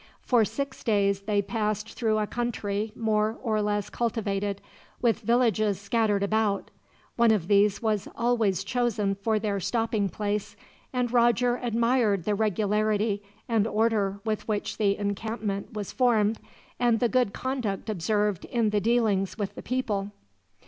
For six days they passed through a country more or less cultivated, with villages scattered about. One of these was always chosen for their stopping place, and Roger admired the regularity and order with which the encampment was formed, and the good conduct observed in the dealings with the people.